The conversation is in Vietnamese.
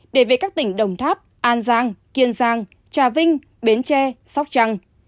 để về các tỉnh đồng tháp an giang kiên giang trà vinh bến tre sóc trăng